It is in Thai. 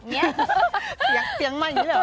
เสียงมากยังเลยเหรอ